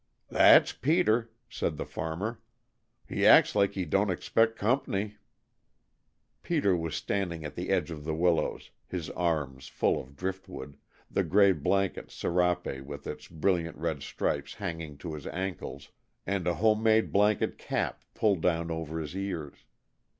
"That's Peter," said the farmer. "He acts like he didn't expect comp'ny." Peter was standing at the edge of the willows, his arms full of driftwood, the gray blanket serape with its brilliant red stripes hanging to his ankles, and a home made blanket cap pulled down over his ears.